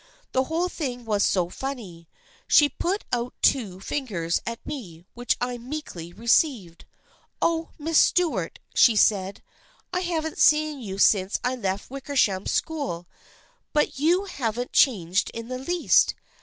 The whole thing was so funny. She put out two fingers at me which I meekly received. i Oh, Miss Stuart/ she said. 1 1 haven't seen you since I left the Wickersham School, but you haven't changed in the least.